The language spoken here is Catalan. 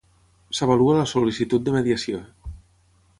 S'avalua la sol·licitud de mediació.